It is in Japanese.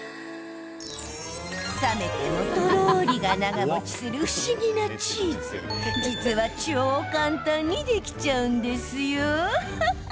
冷めても、とろりが長もちする不思議なチーズ実は超簡単にできちゃうんですよ。